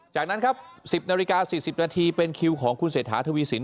จากนั้นครับ๑๐นาฬิกา๔๐นาทีเป็นคิวของคุณเศรษฐาทวีสิน